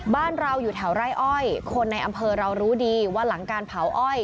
บ้านเราอยู่แถวไร่อ้อยคนในอำเภอเรารู้ดีว่าหลังการเผาอ้อย